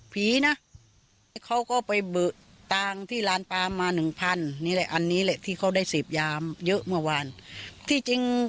ผีนะเขาก็ไปเปิดตาที่ร้านปลามา๑๐๐๐นี่แหละอันนี้เลยที่เขาได้ศีรภยามเยอะเมื่อวานที่จริง